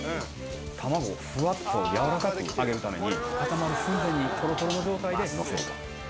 卵をふわっとやわらかくあげるために、固まる寸前に、とろとろの状態で載せると。